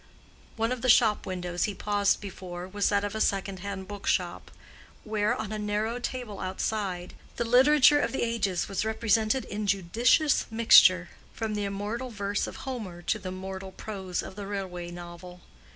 One of the shop windows he paused before was that of a second hand book shop, where, on a narrow table outside, the literature of the ages was represented in judicious mixture, from the immortal verse of Homer to the mortal prose of the railway novel.